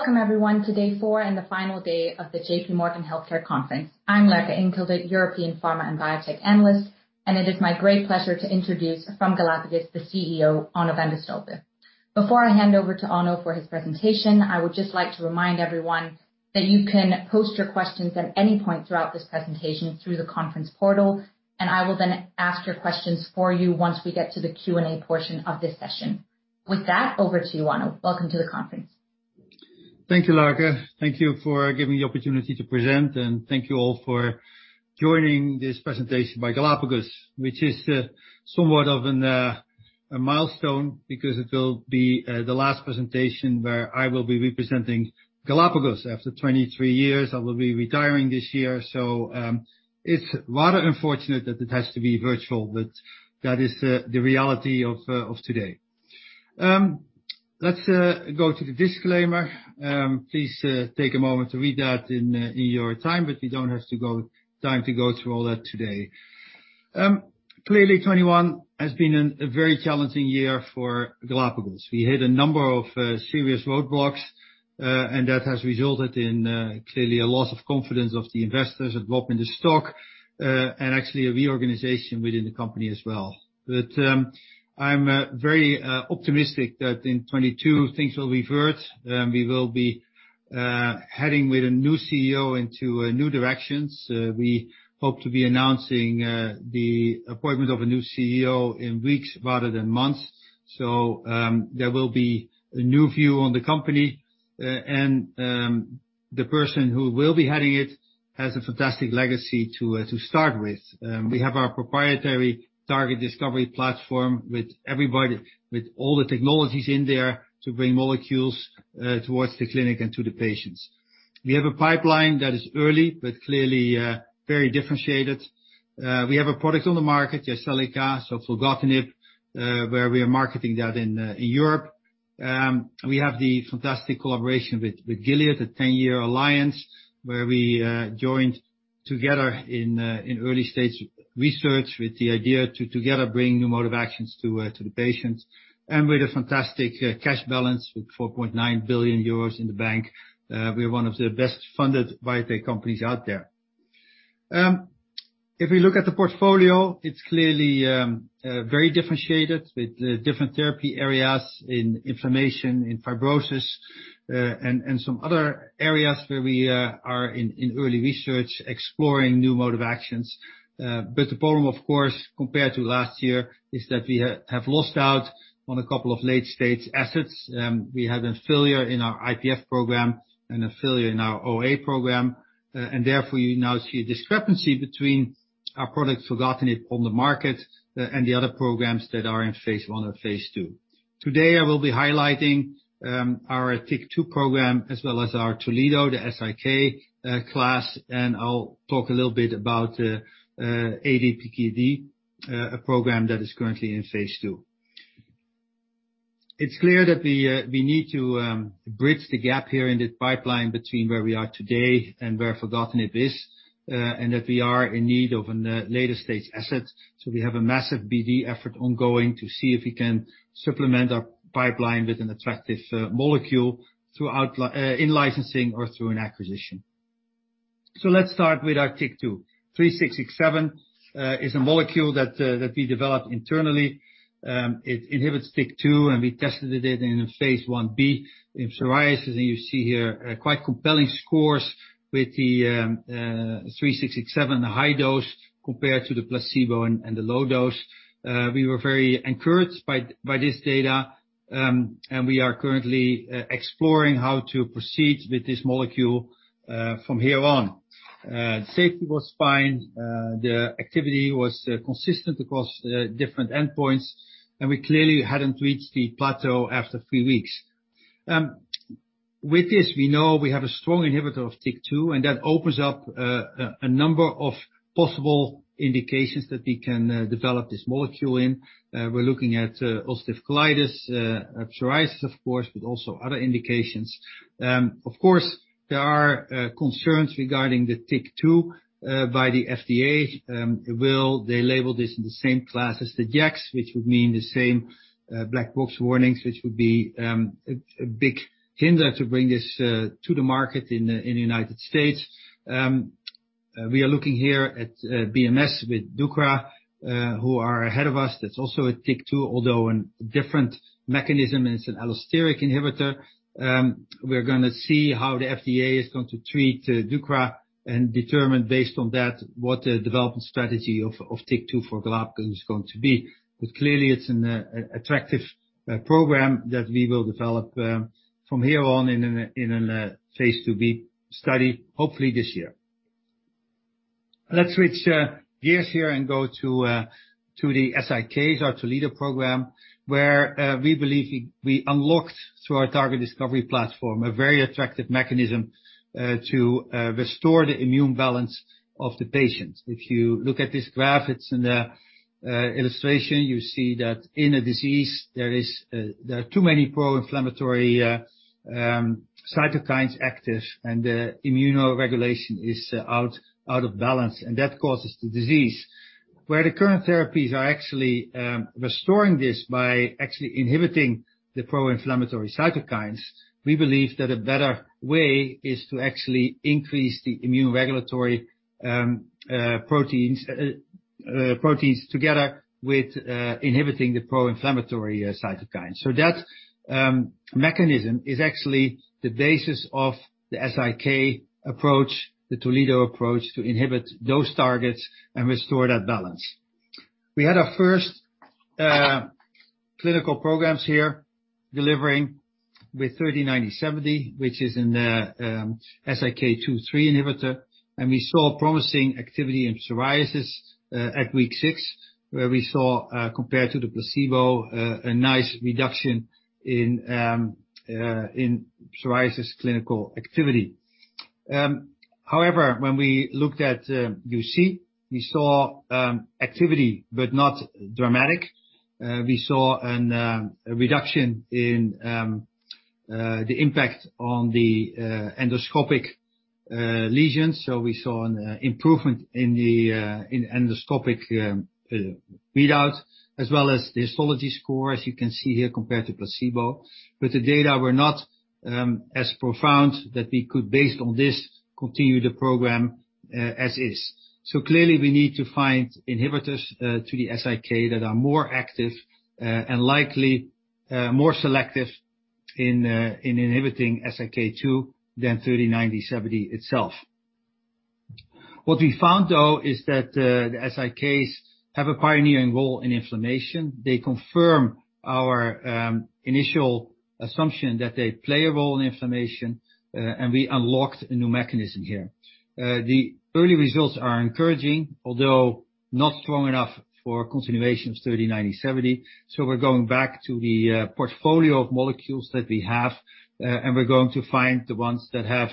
Welcome everyone to day four and the final day of the JPMorgan Healthcare Conference. I'm Laerke Engkilde, European pharma and biotech analyst, and it is my great pleasure to introduce from Galapagos, the CEO, Onno van de Stolpe. Before I hand over to Onno for his presentation, I would just like to remind everyone that you can post your questions at any point throughout this presentation through the conference portal, and I will then ask your questions for you once we get to the Q&A portion of this session. With that, over to you, Onno. Welcome to the conference. Thank you, Laerke. Thank you for giving me the opportunity to present, and thank you all for joining this presentation by Galapagos, which is somewhat of a milestone because it will be the last presentation where I will be representing Galapagos. After 23 years, I will be retiring this year. It's rather unfortunate that it has to be virtual, but that is the reality of today. Let's go to the disclaimer. Please take a moment to read that in your time, but we don't have to go through all that today. Clearly, 2021 has been a very challenging year for Galapagos. We hit a number of serious roadblocks, and that has resulted in clearly a loss of confidence of the investors, a drop in the stock, and actually a reorganization within the company as well. I'm very optimistic that in 2022 things will revert, we will be heading with a new CEO into new directions. We hope to be announcing the appointment of a new CEO in weeks rather than months. There will be a new view on the company, and the person who will be heading it has a fantastic legacy to start with. We have our proprietary target discovery platform with everybody, with all the technologies in there to bring molecules towards the clinic and to the patients. We have a pipeline that is early but clearly very differentiated. We have a product on the market, Jyseleca, so filgotinib, where we are marketing that in Europe. We have the fantastic collaboration with Gilead, a 10-year alliance, where we joined together in early stages of research with the idea to together bring new mode of actions to the patients. With a fantastic cash balance, with 4.9 billion euros in the bank, we're one of the best-funded biotech companies out there. If we look at the portfolio, it's clearly very differentiated with different therapy areas in inflammation, in fibrosis, and some other areas where we are in early research, exploring new mode of actions. The problem, of course, compared to last year, is that we have lost out on a couple of late-stage assets. We had a failure in our IPF program and a failure in our OA program. Therefore, you now see a discrepancy between our product filgotinib on the market and the other programs that are in phase I or phase II. Today, I will be highlighting our TYK2 program as well as our Toledo, the SIK class, and I'll talk a little bit about ADPKD, a program that is currently in phase II. It's clear that we need to bridge the gap here in the pipeline between where we are today and where filgotinib is, and that we are in need of a later-stage asset. We have a massive BD effort ongoing to see if we can supplement our pipeline with an attractive molecule through in-licensing or through an acquisition. Let's start with our TYK2. GLPG3667 is a molecule that we developed internally. It inhibits TYK2, and we tested it in a phase Ib in psoriasis, and you see here quite compelling scores with the GLPG3667 high dose compared to the placebo and the low dose. We were very encouraged by this data, and we are currently exploring how to proceed with this molecule from here on. Safety was fine. The activity was consistent across different endpoints, and we clearly hadn't reached the plateau after three weeks. With this, we know we have a strong inhibitor of TYK2, and that opens up a number of possible indications that we can develop this molecule in. We're looking at ulcerative colitis, psoriasis of course, but also other indications. Of course, there are concerns regarding the TYK2 by the FDA. Will they label this in the same class as the JAKs, which would mean the same black box warnings, which would be a big hindrance to bring this to the market in the United States. We are looking here at BMS with deucravacitinib, who are ahead of us. That's also a TYK2, although a different mechanism, and it's an allosteric inhibitor. We're gonna see how the FDA is going to treat deucravacitinib and determine based on that what the development strategy of TYK2 for Galapagos is going to be. Clearly, it's an attractive program that we will develop from here on in a phase IIb study, hopefully this year. Let's switch gears here and go to the SIKs, our Toledo program, where we believe we unlocked, through our target discovery platform, a very attractive mechanism to restore the immune balance of the patients. If you look at this graph, it's an illustration. You see that in a disease, there are too many pro-inflammatory cytokines active and the immunoregulation is out of balance, and that causes the disease. Where the current therapies are actually restoring this by actually inhibiting the pro-inflammatory cytokines, we believe that a better way is to actually increase the immunoregulatory proteins together with inhibiting the pro-inflammatory cytokines. That mechanism is actually the basis of the SIK approach, the Toledo approach, to inhibit those targets and restore that balance. We had our first clinical programs here delivering with GLPG3970, which is in the SIK2/3 inhibitor, and we saw promising activity in psoriasis at week six, where we saw compared to the placebo a nice reduction in psoriasis clinical activity. However, when we looked at UC, we saw activity but not dramatic. We saw a reduction in the impact on the endoscopic lesions. We saw an improvement in the endoscopic readout as well as the histology score, as you can see here, compared to placebo. The data were not as profound that we could, based on this, continue the program, as is. Clearly we need to find inhibitors to the SIK that are more active and likely more selective in inhibiting SIK2 than GLPG3970 itself. What we found, though, is that the SIKs have a pioneering role in inflammation. They confirm our initial assumption that they play a role in inflammation and we unlocked a new mechanism here. The early results are encouraging, although not strong enough for continuation of GLPG3970. We're going back to the portfolio of molecules that we have, and we're going to find the ones that have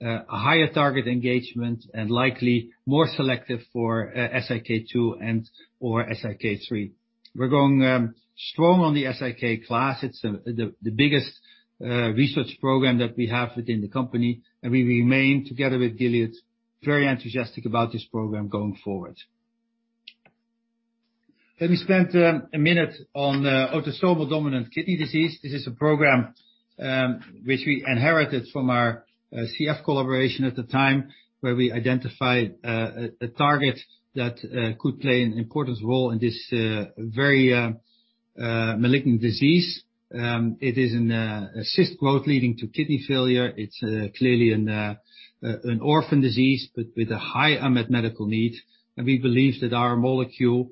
a higher target engagement and likely more selective for SIK2 and/or SIK3. We're going strong on the SIK class. It's the biggest research program that we have within the company, and we remain, together with Gilead, very enthusiastic about this program going forward. Let me spend a minute on autosomal dominant kidney disease. This is a program which we inherited from our CF collaboration at the time, where we identified a target that could play an important role in this very malignant disease. It is in a cyst growth leading to kidney failure. It's clearly an orphan disease, but with a high unmet medical need. We believe that our molecule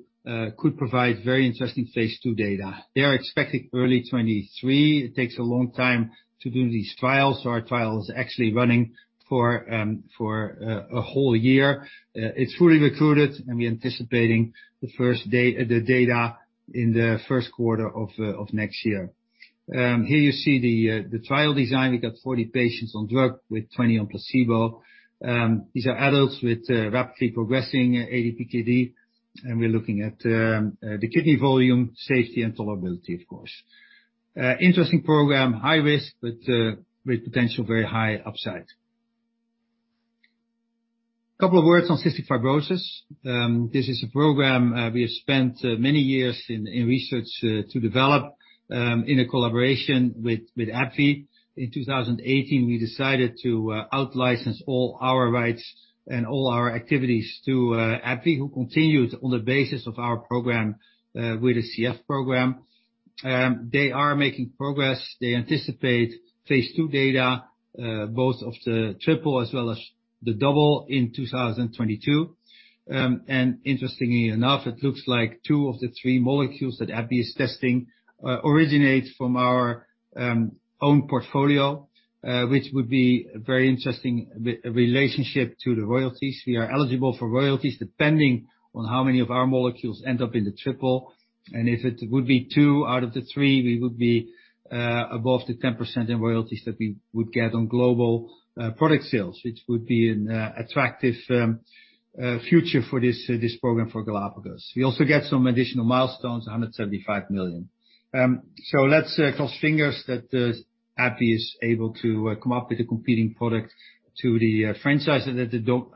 could provide very interesting phase II data. They are expecting early 2023. It takes a long time to do these trials, so our trial is actually running for a whole year. It's fully recruited, and we're anticipating the data in the first quarter of next year. Here you see the trial design. We got 40 patients on drug with 20 on placebo. These are adults with rapidly progressing ADPKD, and we're looking at the kidney volume, safety and tolerability, of course. Interesting program, high risk, but with potential very high upside. Couple of words on cystic fibrosis. This is a program we have spent many years in research to develop in a collaboration with AbbVie. In 2018, we decided to out-license all our rights and all our activities to AbbVie, who continued on the basis of our program with the CF program. They are making progress. They anticipate phase II data both of the triple as well as the double in 2022. Interestingly enough, it looks like two of the three molecules that AbbVie is testing originate from our own portfolio, which would be very interesting relationship to the royalties. We are eligible for royalties depending on how many of our molecules end up in the triple, and if it would be two out of the three, we would be above the 10% in royalties that we would get on global product sales, which would be an attractive future for this program for Galapagos. We also get some additional milestones, 175 million. Let's cross fingers that AbbVie is able to come up with a competing product to the franchise that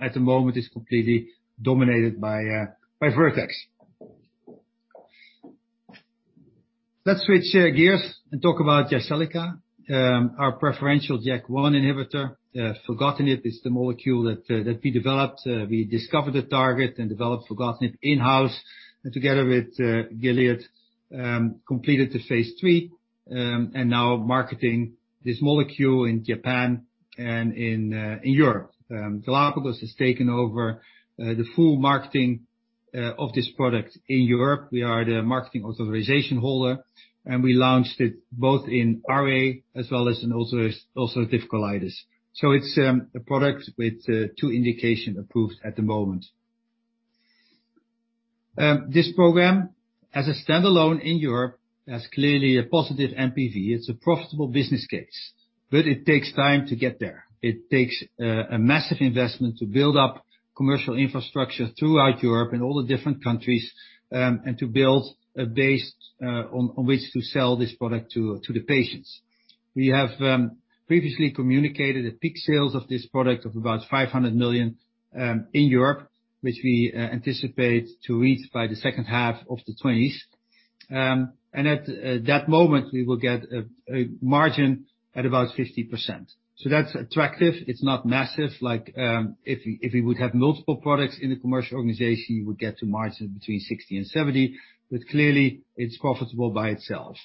at the moment is completely dominated by Vertex. Let's switch gears and talk about Jyseleca, our preferential JAK1 inhibitor. Filgotinib is the molecule that we developed. We discovered the target and developed filgotinib in-house, and together with Gilead, completed the phase III, and now marketing this molecule in Japan and in Europe. Galapagos has taken over the full marketing of this product in Europe. We are the marketing authorization holder, and we launched it both in RA as well as in ulcerative colitis. It's a product with two indications approved at the moment. This program, as a standalone in Europe, has clearly a positive NPV. It's a profitable business case, but it takes time to get there. It takes a massive investment to build up commercial infrastructure throughout Europe and all the different countries, and to build a base on which to sell this product to the patients. We have previously communicated the peak sales of this product of about 500 million in Europe, which we anticipate to reach by the second half of the twenties. At that moment, we will get a margin at about 50%. That's attractive. It's not massive like if we would have multiple products in the commercial organization, we would get to margin between 60% and 70%, but clearly, it's profitable by itself.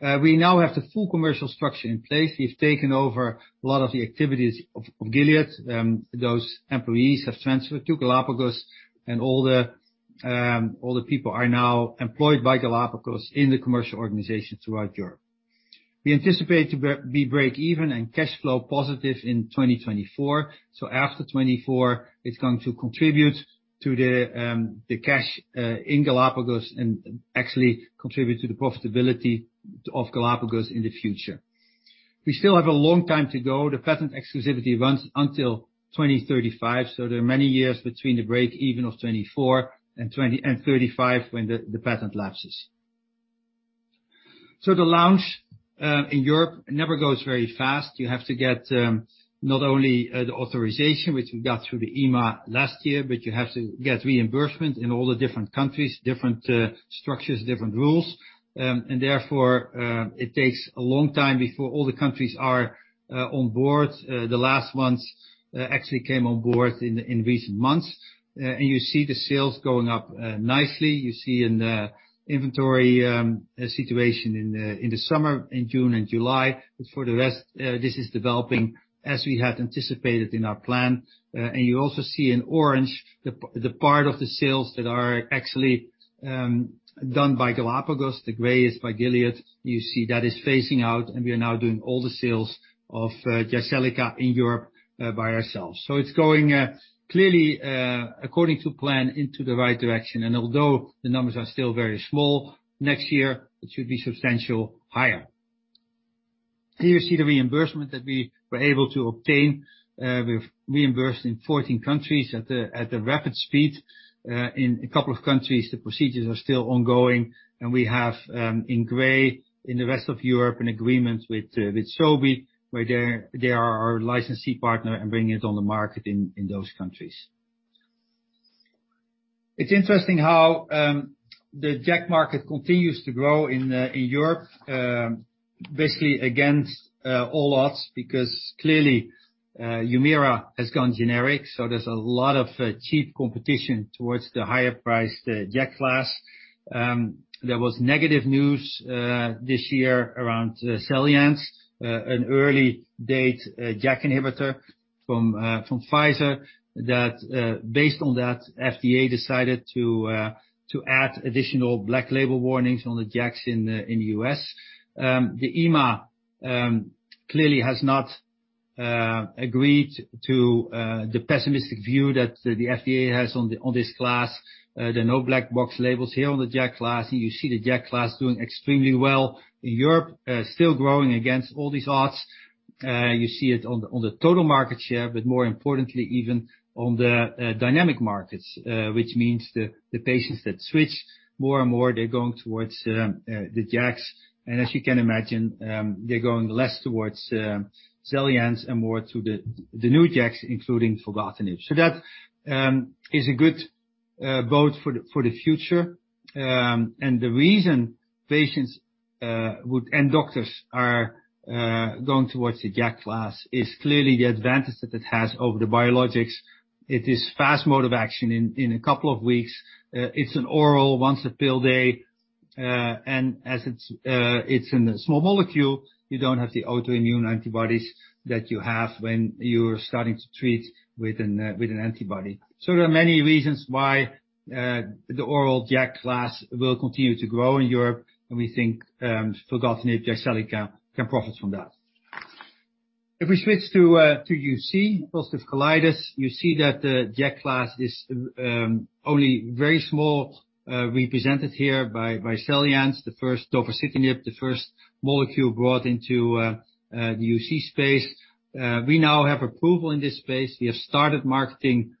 We now have the full commercial structure in place. We've taken over a lot of the activities of Gilead. Those employees have transferred to Galapagos, and all the people are now employed by Galapagos in the commercial organization throughout Europe. We anticipate to be breakeven and cash flow positive in 2024. After 2024, it's going to contribute to the cash in Galapagos and actually contribute to the profitability of Galapagos in the future. We still have a long time to go. The patent exclusivity runs until 2035, so there are many years between the breakeven of 2024 and 2035, when the patent lapses. The launch in Europe never goes very fast. You have to get not only the authorization, which we got through the EMA last year, but you have to get reimbursement in all the different countries, different structures, different rules. Therefore, it takes a long time before all the countries are on board. The last ones actually came on board in recent months. You see the sales going up nicely. You see in the inventory situation in the summer, in June and July. For the rest, this is developing as we had anticipated in our plan. You also see in orange the part of the sales that are actually done by Galapagos. The gray is by Gilead. You see that is phasing out, and we are now doing all the sales of Jyseleca in Europe by ourselves. It's going clearly according to plan into the right direction. Although the numbers are still very small, next year it should be substantially higher. Here you see the reimbursement that we were able to obtain with reimbursed in 14 countries at a rapid speed. In a couple of countries, the procedures are still ongoing, and we have in the rest of Europe an agreement with Sobi, where they are our licensee partner and bringing it on the market in those countries. It's interesting how the JAK market continues to grow in Europe, basically against all odds, because clearly Humira has gone generic, so there's a lot of cheap competition towards the higher priced JAK class. There was negative news this year around XELJANZ, an early JAK inhibitor from Pfizer that, based on that, FDA decided to add additional black box warnings on the JAKs in the U.S. The EMA clearly has not agreed to the pessimistic view that the FDA has on this class. There are no black box labels here on the JAK class. You see the JAK class doing extremely well in Europe, still growing against all these odds. You see it on the total market share, but more importantly, even on the dynamic markets, which means the patients that switch more and more, they're going towards the JAKs. As you can imagine, they're going less towards XELJANZ and more to the new JAKs, including filgotinib. That is a good bet for the future. The reason patients and doctors are going towards the JAK class is clearly the advantage that it has over the biologics. It is fast mode of action in a couple of weeks. It's an oral once a pill a day, and as it's a small molecule, you don't have the autoimmune antibodies that you have when you're starting to treat with an antibody. There are many reasons why the oral JAK class will continue to grow in Europe, and we think filgotinib, Jyseleca can profit from that. If we switch to UC, ulcerative colitis, you see that the JAK class is only very small represented here by XELJANZ, the first tofacitinib, the first molecule brought into the UC space. We now have approval in this space. We have started marketing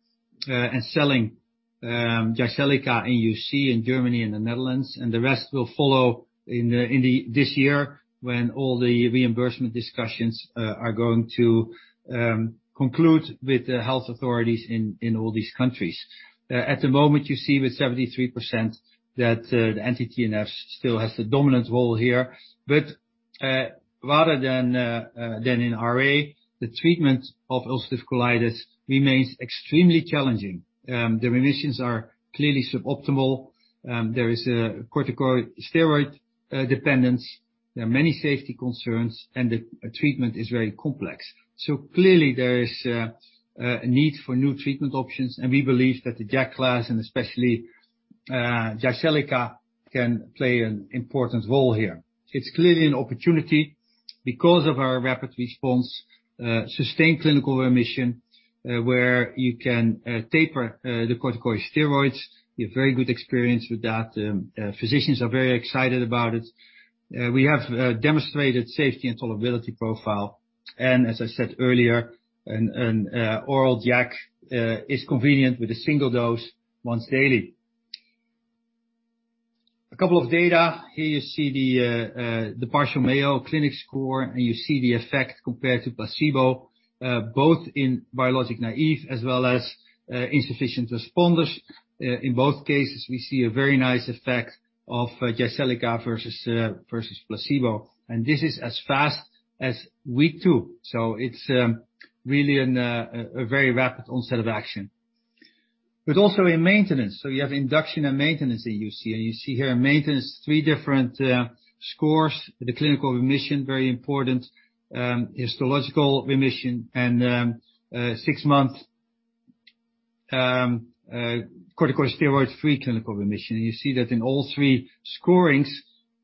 and selling Jyseleca in UC in Germany and the Netherlands, and the rest will follow in this year when all the reimbursement discussions are going to conclude with the health authorities in all these countries. At the moment, you see with 73% that the anti-TNFs still has the dominant role here. Rather than in RA, the treatment of ulcerative colitis remains extremely challenging. The remissions are clearly suboptimal. There is a corticosteroid dependence. There are many safety concerns, and the treatment is very complex. Clearly there is a need for new treatment options, and we believe that the JAK class, and especially Jyseleca, can play an important role here. It's clearly an opportunity because of our rapid response, sustained clinical remission, where you can taper the corticosteroids. We have very good experience with that. Physicians are very excited about it. We have demonstrated safety and tolerability profile. As I said earlier, an oral JAK is convenient with a single dose once daily. A couple of data. Here you see the partial Mayo score, and you see the effect compared to placebo, both in biologic-naive as well as insufficient responders. In both cases, we see a very nice effect of Jyseleca versus placebo. And this is as fast as week two. It's really a very rapid onset of action, but also in maintenance. You have induction and maintenance that you see, and you see here in maintenance three different scores. The clinical remission, very important, histological remission and six-month corticosteroid-free clinical remission. You see that in all three scorings,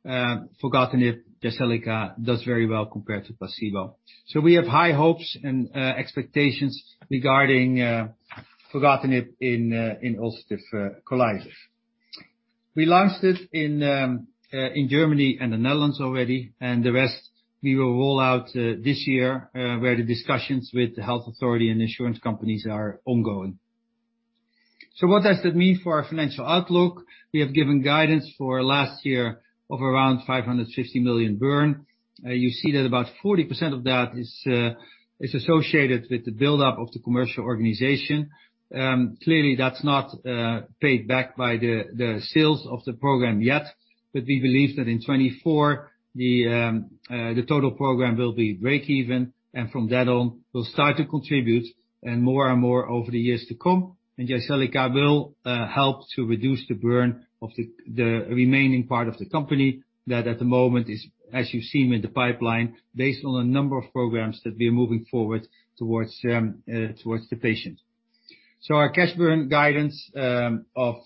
filgotinib Jyseleca does very well compared to placebo. We have high hopes and expectations regarding filgotinib in ulcerative colitis. We launched it in Germany and the Netherlands already, and the rest we will roll out this year, where the discussions with the health authority and insurance companies are ongoing. What does that mean for our financial outlook? We have given guidance for last year of around 550 million burn. You see that about 40% of that is associated with the build-up of the commercial organization. Clearly, that's not paid back by the sales of the program yet. We believe that in 2024 the total program will be breakeven. From then on will start to contribute and more and more over the years to come. Jyseleca will help to reduce the burn of the remaining part of the company that at the moment is, as you've seen in the pipeline, based on a number of programs that we are moving forward towards the patient. Our cash burn guidance of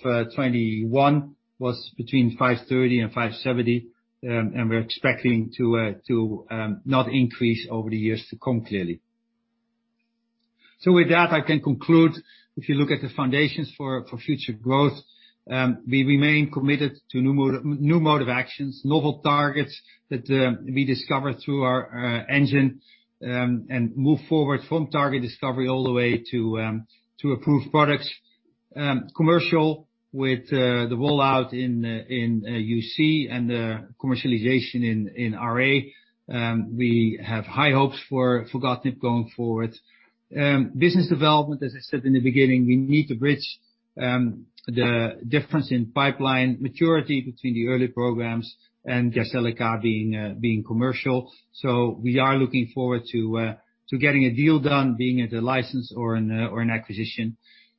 2021 was between 530 million and 570 million, and we're expecting to not increase over the years to come, clearly. With that, I can conclude. If you look at the foundations for future growth, we remain committed to new modes of action, novel targets that we discover through our engine, and move forward from target discovery all the way to approved products. With the commercial rollout in UC and the commercialization in RA, we have high hopes for filgotinib going forward. Business development, as I said in the beginning, we need to bridge the difference in pipeline maturity between the early programs and Jyseleca being commercial. We are looking forward to getting a deal done, be it a license or an acquisition.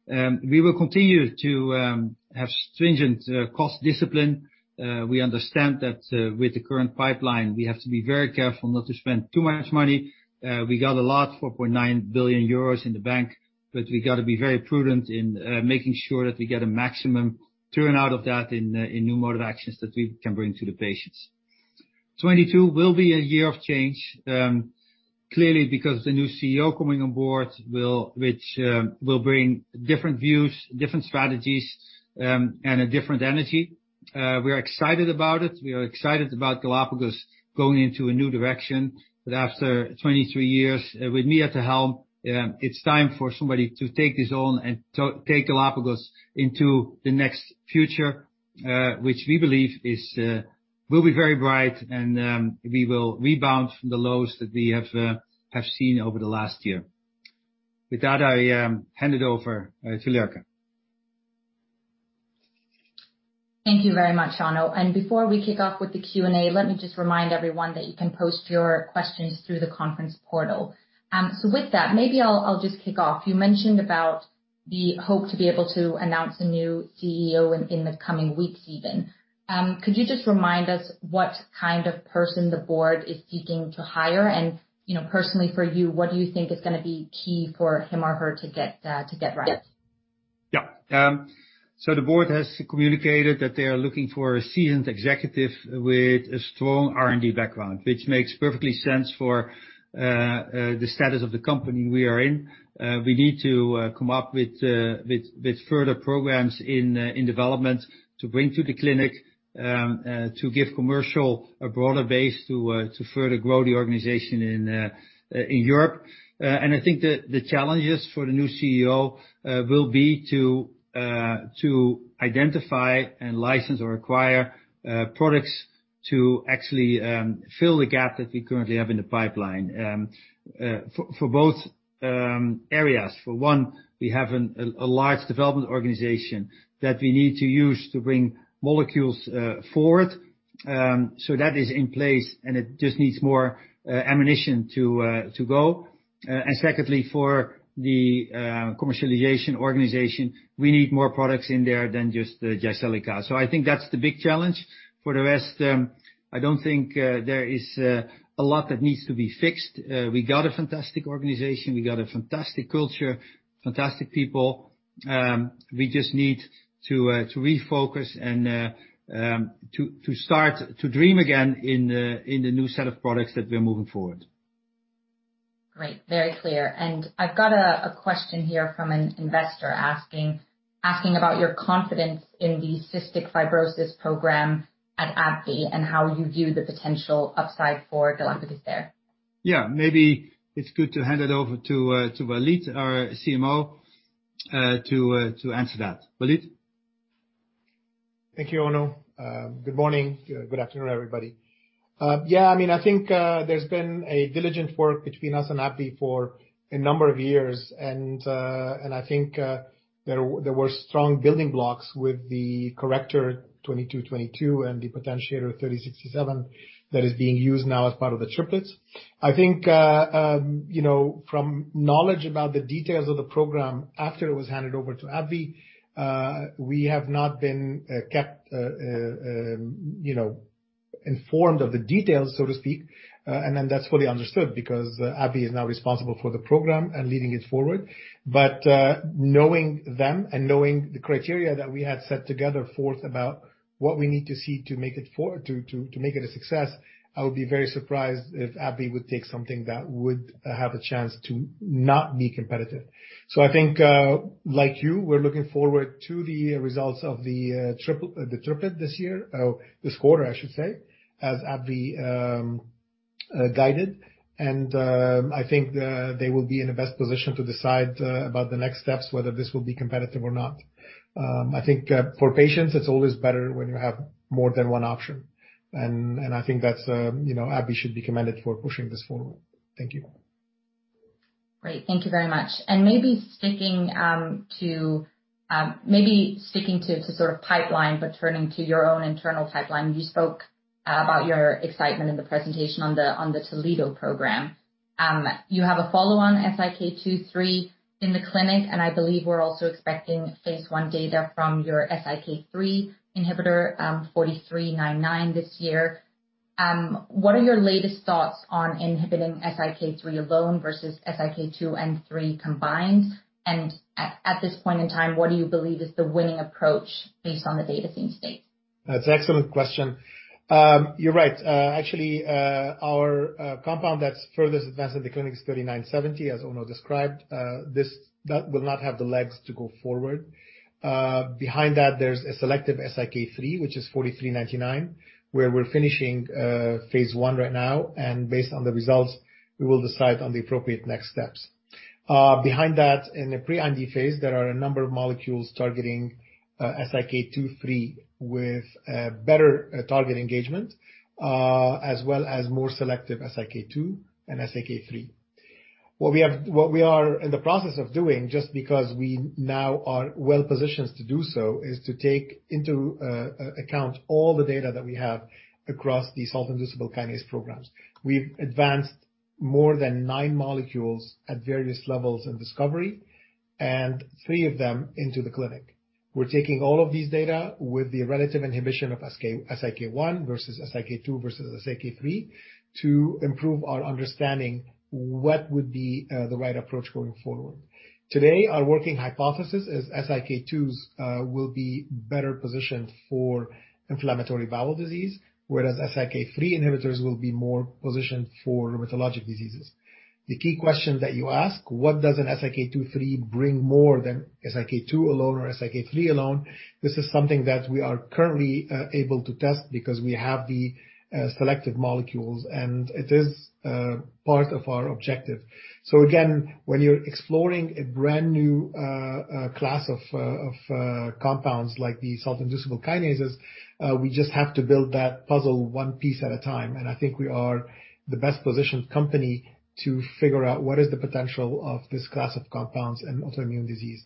We will continue to have stringent cost discipline. We understand that with the current pipeline, we have to be very careful not to spend too much money. We got a lot, 4.9 billion euros in the bank, but we gotta be very prudent in making sure that we get a maximum return of that in new modes of action that we can bring to the patients. 2022 will be a year of change, clearly because the new CEO coming on board will bring different views, different strategies, and a different energy. We are excited about it. We are excited about Galapagos going into a new direction. After 23 years with me at the helm, it's time for somebody to take this on and take Galapagos into the next future, which we believe will be very bright, and we will rebound from the lows that we have seen over the last year. With that, I hand it over to Laerke Engkilde. Thank you very much, Onno van de Stolpe. Before we kick off with the Q&A, let me just remind everyone that you can post your questions through the conference portal. With that, maybe I'll just kick off. You mentioned about the hope to be able to announce a new CEO in the coming weeks even. Could you just remind us what kind of person the board is seeking to hire? You know, personally for you, what do you think is gonna be key for him or her to get right? Yeah. The board has communicated that they are looking for a seasoned executive with a strong R&D background, which makes perfect sense for the status of the company we are in. We need to come up with further programs in development to bring to the clinic to give commercial a broader base to further grow the organization in Europe. I think the challenges for the new CEO will be to identify and license or acquire products to actually fill the gap that we currently have in the pipeline for both areas. For one, we have a large development organization that we need to use to bring molecules forward. That is in place, and it just needs more ammunition to go. Secondly, for the commercialization organization, we need more products in there than just Jyseleca. I think that's the big challenge. For the rest, I don't think there is a lot that needs to be fixed. We got a fantastic organization. We got a fantastic culture, fantastic people. We just need to refocus and to start to dream again in the new set of products that we're moving forward. Great. Very clear. I've got a question here from an investor asking about your confidence in the cystic fibrosis program at AbbVie and how you view the potential upside for Galapagos there. Yeah, maybe it's good to hand it over to Walid, our CMO, to answer that. Walid? Thank you, Onno. Good morning. Good afternoon, everybody. I mean, I think there's been a diligent work between us and AbbVie for a number of years. I think there were strong building blocks with the corrector 2222 and the potentiator 3067 that is being used now as part of the triplets. I think you know from knowledge about the details of the program after it was handed over to AbbVie, we have not been kept you know informed of the details, so to speak. That's fully understood because AbbVie is now responsible for the program and leading it forward. Knowing them and knowing the criteria that we had set forth together about what we need to see to make it a success, I would be very surprised if AbbVie would take something that would have a chance to not be competitive. I think, like you, we're looking forward to the results of the triplet this year, or this quarter, I should say, as AbbVie guided. I think they will be in the best position to decide about the next steps, whether this will be competitive or not. I think for patients, it's always better when you have more than one option. I think that's, you know, AbbVie should be commended for pushing this forward. Thank you. Great. Thank you very much. Maybe sticking to sort of pipeline, but turning to your own internal pipeline, you spoke about your excitement in the presentation on the Toledo program. You have a follow-on SIK2/3 in the clinic, and I believe we're also expecting phase I data from your SIK3 inhibitor, GLPG4399 this year. What are your latest thoughts on inhibiting SIK3 alone versus SIK2 and SIK3 combined? At this point in time, what do you believe is the winning approach based on the data seen to date? That's an excellent question. You're right. Actually, our compound that's furthest advanced in the clinic is 3970, as Onno described. That will not have the legs to go forward. Behind that, there's a selective SIK3, which is 4399, where we're finishing phase I right now, and based on the results, we will decide on the appropriate next steps. Behind that, in the pre-IND phase, there are a number of molecules targeting SIK2, SIK3 with better target engagement, as well as more selective SIK2 and SIK3. What we are in the process of doing, just because we now are well-positioned to do so, is to take into account all the data that we have across the salt-inducible kinase programs. We've advanced more than nine molecules at various levels in discovery, and three of them into the clinic. We're taking all of these data with the relative inhibition of SIK1 versus SIK2 versus SIK3 to improve our understanding what would be the right approach going forward. Today, our working hypothesis is SIK2s will be better positioned for inflammatory bowel disease, whereas SIK3 inhibitors will be more positioned for rheumatologic diseases. The key question that you ask, what does an SIK2,3 bring more than SIK2 alone or SIK3 alone? This is something that we are currently able to test because we have the selective molecules, and it is part of our objective. When you're exploring a brand new class of compounds like the salt-inducible kinases, we just have to build that puzzle one piece at a time. I think we are the best-positioned company to figure out what is the potential of this class of compounds in autoimmune disease.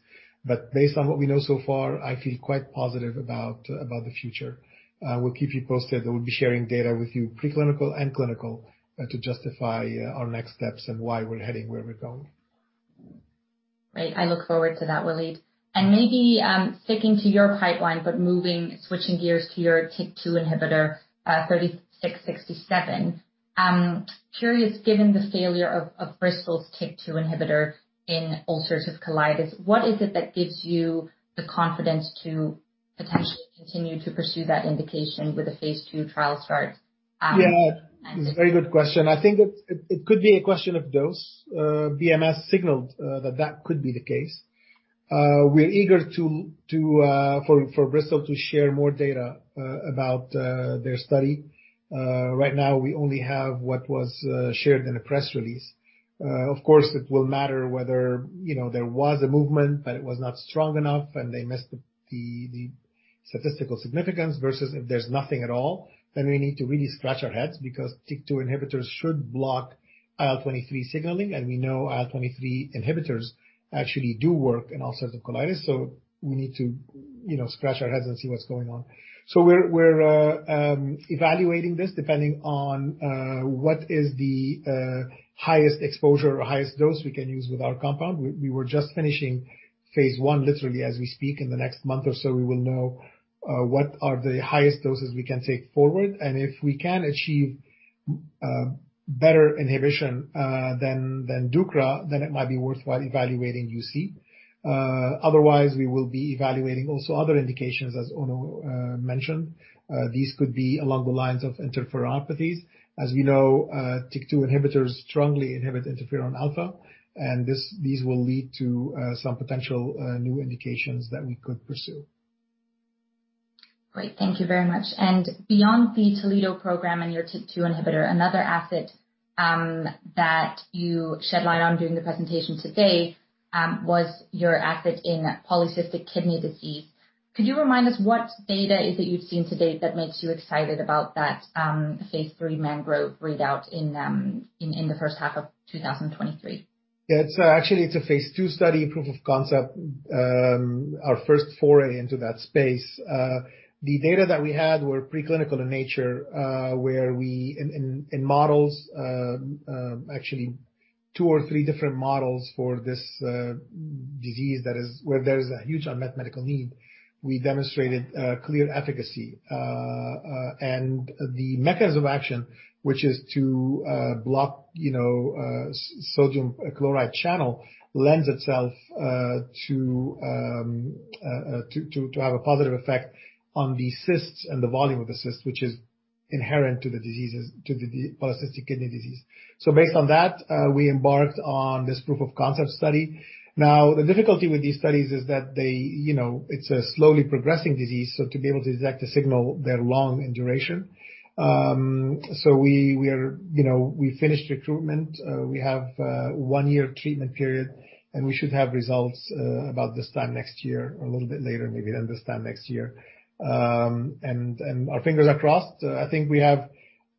Based on what we know so far, I feel quite positive about the future. We'll keep you posted. We'll be sharing data with you, preclinical and clinical, to justify our next steps and why we're heading where we're going. Great. I look forward to that, Walid. Maybe sticking to your pipeline, but moving, switching gears to your TYK2 inhibitor, GLPG3667. I'm curious, given the failure of Bristol's TYK2 inhibitor in ulcerative colitis, what is it that gives you the confidence to potentially continue to pursue that indication with the phase II trial start at- Yeah. It's a very good question. I think it could be a question of dose. BMS signaled that could be the case. We're eager for Bristol to share more data about their study. Right now we only have what was shared in a press release. Of course, it will matter whether, you know, there was a movement, but it was not strong enough and they missed the statistical significance versus if there's nothing at all, then we need to really scratch our heads because TYK2 inhibitors should block IL-23 signaling, and we know IL-23 inhibitors actually do work in all sorts of colitis. We need to, you know, scratch our heads and see what's going on. We're evaluating this depending on what is the highest exposure or highest dose we can use with our compound. We were just finishing phase I, literally as we speak. In the next month or so, we will know what are the highest doses we can take forward. If we can achieve better inhibition than deucravacitinib, then it might be worthwhile evaluating UC. Otherwise, we will be evaluating also other indications, as Onno mentioned. These could be along the lines of interferonopathies. As we know, TYK2 inhibitors strongly inhibit interferon alpha, and these will lead to some potential new indications that we could pursue. Great. Thank you very much. Beyond the Toledo program and your TYK2 inhibitor, another asset that you shed light on during the presentation today was your asset in polycystic kidney disease. Could you remind us what data is it you've seen to date that makes you excited about that phase III MANGROVE readout in the first half of 2023? Yeah. It's actually a phase II study, proof of concept, our first foray into that space. The data that we had were pre-clinical in nature, where we in models actually two or three different models for this disease where there is a huge unmet medical need. We demonstrated clear efficacy. The mechanism of action, which is to block sodium chloride cotransporter, lends itself to have a positive effect on the cysts and the volume of the cysts, which is inherent to the diseases to the polycystic kidney disease. Based on that, we embarked on this proof of concept study. Now, the difficulty with these studies is that they, you know, it's a slowly progressing disease, so to be able to detect a signal, they're long in duration. So, you know, we finished recruitment. We have a one-year treatment period, and we should have results about this time next year or a little bit later, maybe later than this time next year. And our fingers are crossed. I think we have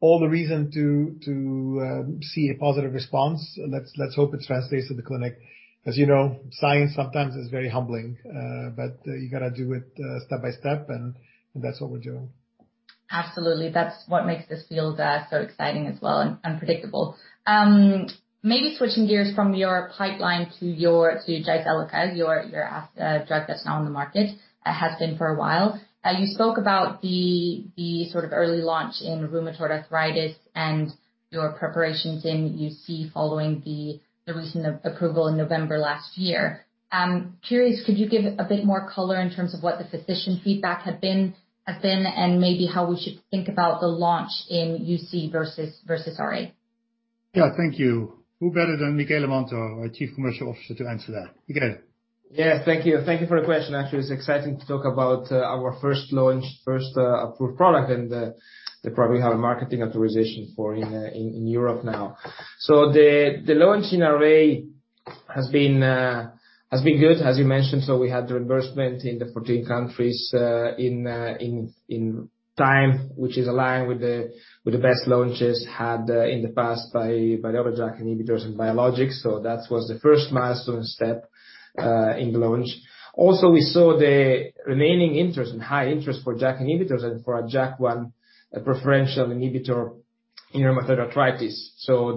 every reason to see a positive response. Let's hope it translates to the clinic. As you know, science sometimes is very humbling, but you gotta do it step by step, and that's what we're doing. Absolutely. That's what makes this field so exciting as well and unpredictable. Maybe switching gears from your pipeline to Jyseleca, your drug that's now on the market, has been for a while. You spoke about the sort of early launch in rheumatoid arthritis and your preparations in UC following the recent approval in November last year. I'm curious, could you give a bit more color in terms of what the physician feedback has been, and maybe how we should think about the launch in UC versus RA? Yeah. Thank you. Who better than Michele Manto, our Chief Commercial Officer, to answer that? Michele. Yeah. Thank you. Thank you for the question. Actually, it's exciting to talk about our first launch, first approved product and the product we have a marketing authorization for in Europe now. The launch in RA has been good, as you mentioned. We had the reimbursement in the 14 countries in time, which is aligned with the best launches had in the past by other JAK inhibitors and biologics. That was the first milestone step in the launch. We saw the remaining interest and high interest for JAK inhibitors and for our JAK1 preferential inhibitor in rheumatoid arthritis. The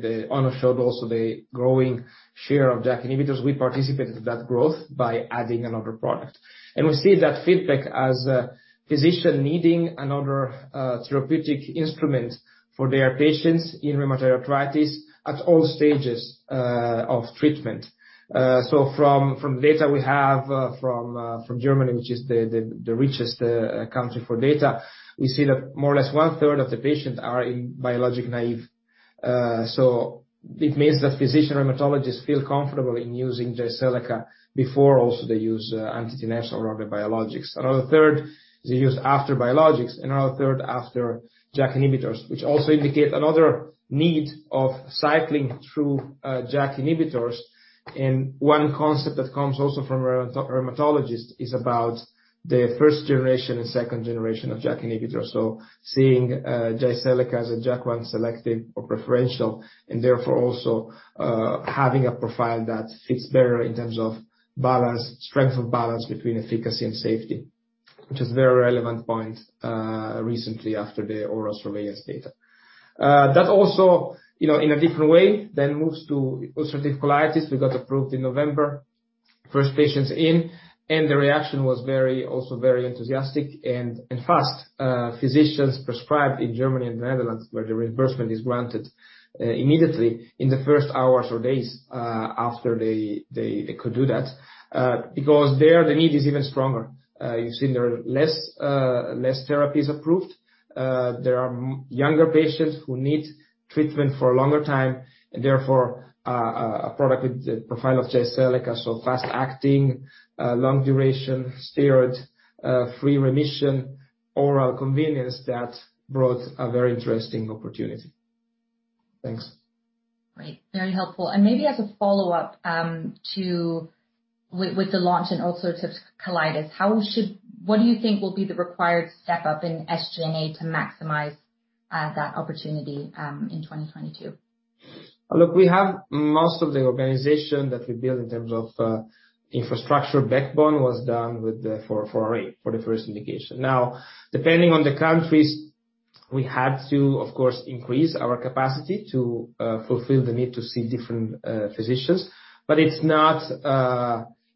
data showed also the growing share of JAK inhibitors. We participated in that growth by adding another product. We see that feedback as a physician needing another therapeutic instrument for their patients in rheumatoid arthritis at all stages of treatment. From data we have from Germany, which is the richest country for data, we see that more or less one-third of the patients are in biologic naive. It means that physician rheumatologists feel comfortable in using Jyseleca before also they use anti-TNFs or other biologics. Another third they use after biologics. Another third after JAK inhibitors, which also indicate another need of cycling through JAK inhibitors. One concept that comes also from rheumatologists is about the first generation and second generation of JAK inhibitors. Seeing Jyseleca as a JAK1 selective or preferential, and therefore also having a profile that fits better in terms of balance, strength of balance between efficacy and safety, which is a very relevant point recently after the ORAL Surveillance data. That also, you know, in a different way then moves to ulcerative colitis. We got approved in November. First patients in, and the reaction was very, also very enthusiastic and fast. Physicians prescribed in Germany and the Netherlands, where the reimbursement is granted immediately in the first hours or days after they could do that. Because there, the need is even stronger. You've seen there are less therapies approved. There are younger patients who need treatment for a longer time and therefore, a product with the profile of Jyseleca, so fast-acting, long duration, steroid-free remission, oral convenience that brought a very interesting opportunity. Thanks. Great. Very helpful. Maybe as a follow-up, with the launch in ulcerative colitis, what do you think will be the required step-up in SG&A to maximize that opportunity in 2022? Look, we have most of the organization that we built in terms of infrastructure backbone was done for RA for the first indication. Depending on the countries, we had to of course increase our capacity to fulfill the need to see different physicians.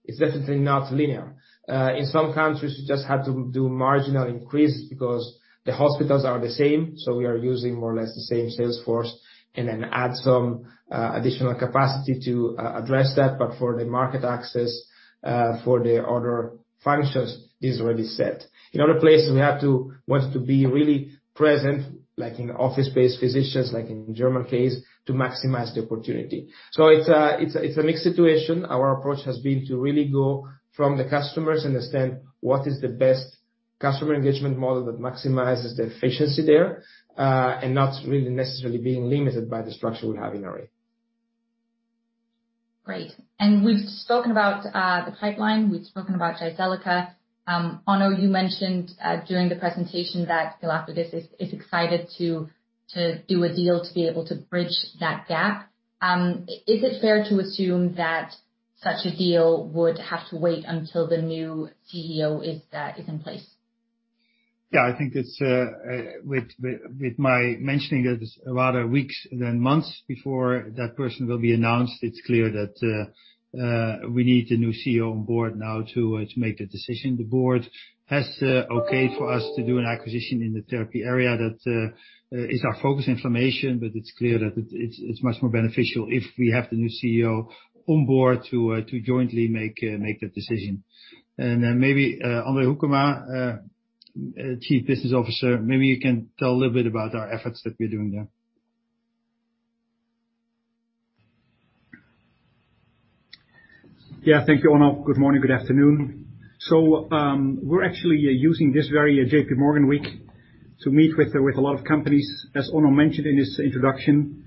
It's definitely not linear. In some countries, we just had to do marginal increase because the hospitals are the same, so we are using more or less the same sales force, and then add some additional capacity to address that. For the market access for the other functions is already set. In other places, we have to want to be really present, like in office-based physicians, like in Germany, to maximize the opportunity. It's a mixed situation. Our approach has been to really go from the customers, understand what is the best. Customer engagement model that maximizes the efficiency there, and not really necessarily being limited by the structure we have in a way. Great. We've spoken about the pipeline, we've spoken about Jyseleca. Onno, you mentioned during the presentation that Galapagos is excited to do a deal to be able to bridge that gap. Is it fair to assume that such a deal would have to wait until the new CEO is in place? Yeah, I think it's with my mentioning it is rather weeks than months before that person will be announced. It's clear that we need the new CEO on board now to make the decision. The board has okayed for us to do an acquisition in the therapy area that is our focus inflammation. It's clear that it's much more beneficial if we have the new CEO on board to jointly make that decision. Maybe Andre Hoekema, Chief Business Officer, maybe you can tell a little bit about our efforts that we're doing there. Yeah. Thank you, Onno. Good morning, good afternoon. We're actually using this very J.P. Morgan week to meet with a lot of companies. As Onno mentioned in his introduction,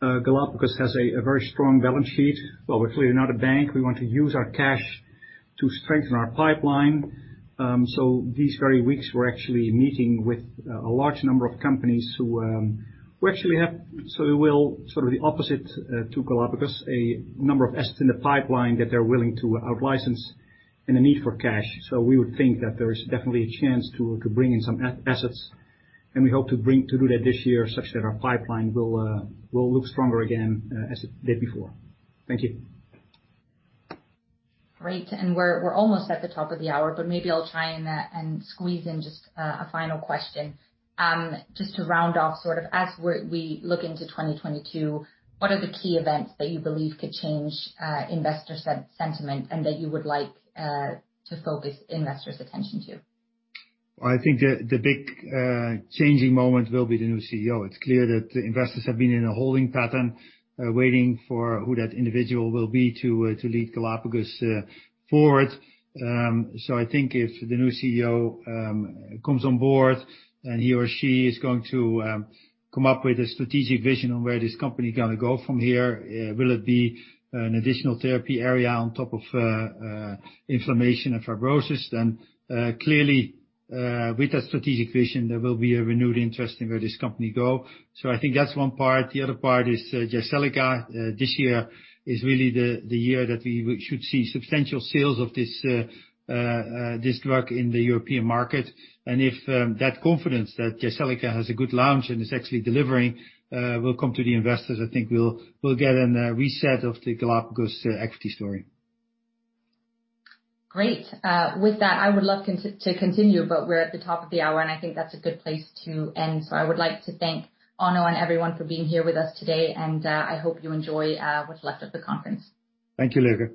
Galapagos has a very strong balance sheet. While we're clearly not a bank, we want to use our cash to strengthen our pipeline. These very weeks, we're actually meeting with a large number of companies who actually have, so we will sort of the opposite to Galapagos, a number of assets in the pipeline that they're willing to outlicense and a need for cash. We would think that there is definitely a chance to bring in some assets, and we hope to do that this year such that our pipeline will look stronger again as it did before. Thank you. Great. We're almost at the top of the hour, but maybe I'll try and squeeze in just a final question. Just to round off sort of as we look into 2022, what are the key events that you believe could change investor sentiment and that you would like to focus investors' attention to? I think the big changing moment will be the new CEO. It's clear that investors have been in a holding pattern, waiting for who that individual will be to lead Galapagos forward. I think if the new CEO comes on board and he or she is going to come up with a strategic vision on where this company gonna go from here, will it be an additional therapy area on top of inflammation and fibrosis, then clearly with that strategic vision, there will be a renewed interest in where this company go. I think that's one part. The other part is Jyseleca. This year is really the year that we should see substantial sales of this drug in the European market. If that confidence that Jyseleca has a good launch and is actually delivering will come to the investors, I think we'll get a reset of the Galapagos equity story. Great. With that, I would love to continue, but we're at the top of the hour, and I think that's a good place to end. I would like to thank Onno and everyone for being here with us today. I hope you enjoy what's left of the conference. Thank you, Laerke.